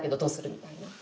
みたいな。